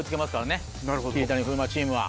桐谷・風磨チームは。